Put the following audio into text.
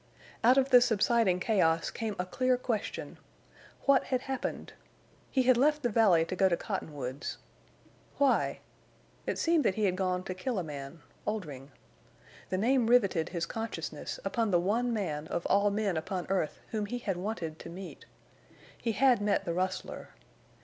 Out of the subsiding chaos came a clear question. What had happened? He had left the valley to go to Cottonwoods. Why? It seemed that he had gone to kill a man—Oldring! The name riveted his consciousness upon the one man of all men upon earth whom he had wanted to meet. He had met the rustler.